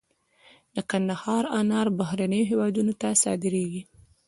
د کندهار انار بهرنیو هیوادونو ته صادریږي.